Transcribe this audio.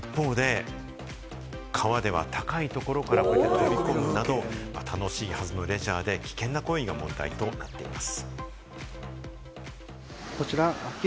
一方で川では高いところからこうやって飛び込むなど、楽しいはずのレジャーで危険な行為が問題となっています。